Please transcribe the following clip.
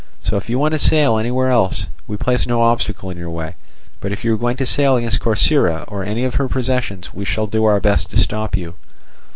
So if you want to sail anywhere else, we place no obstacle in your way; but if you are going to sail against Corcyra, or any of her possessions, we shall do our best to stop you."